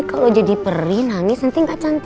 kalau jadi perih nangis nanti gak cantik lagi loh